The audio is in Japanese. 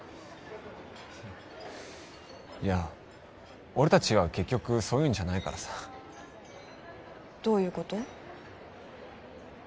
いや俺達は結局そういうんじゃないからさどういうこと？